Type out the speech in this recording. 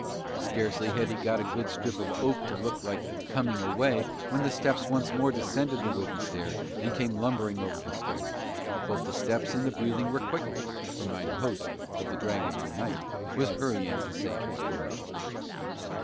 Scarcely had he got a good strip of the oak to look like coming away, when the steps once more descended the wooden stair and came lumbering over the stones; both the steps and the breathing were quicker, for mine host of the Dragon and Knight was hurrying to save his door.